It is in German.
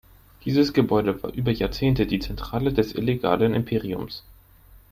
Dieses Gebäude war über Jahrzehnte die Zentrale des illegalen Imperiums.